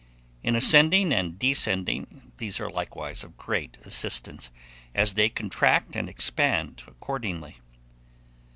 In ascending and descending, these are likewise of great assistance, as they contract and expand accordingly.